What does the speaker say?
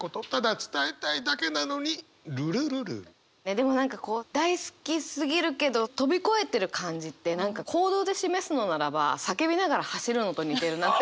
でも何かこう大好きすぎるけど飛び越えてる感じって何か行動で示すのならば叫びながら走るのと似てるなって。